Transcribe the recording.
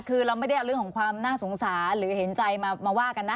คือเราไม่ได้เอาเรื่องของความน่าสงสารหรือเห็นใจมาว่ากันนะ